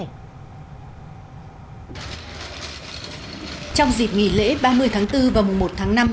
trong dịp nghỉ lễ ba mươi tháng bốn và một mươi một tháng năm